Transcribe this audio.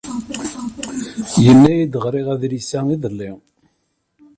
Yenna-iyi-d ɣriɣ adlis-a iḍelli.